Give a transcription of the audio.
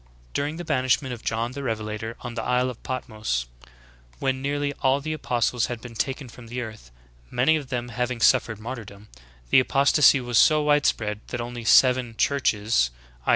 13. During the banishment of John the Revelator on the isle of Patmos, when nearly all the apostles had been taken from the earth, many of them having suffered martyrdom, the apostasy was so wide spread that^only seven "churches," i.